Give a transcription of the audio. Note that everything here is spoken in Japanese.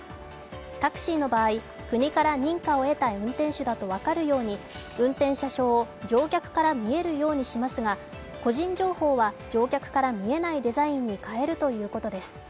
タクシーの場合、国から認可を得た運転手だと分かるように運転者証を乗客から見えるようにしますが個人情報は乗客から見えないデザインに変えるということです。